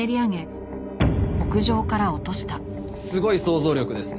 すごい想像力ですね。